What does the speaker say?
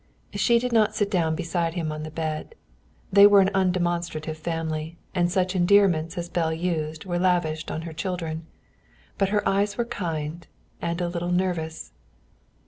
She did not sit down beside him on the bed. They were an undemonstrative family, and such endearments as Belle used were lavished on her children. But her eyes were kind, and a little nervous.